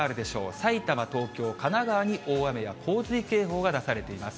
埼玉、東京、神奈川に大雨や洪水警報が出されています。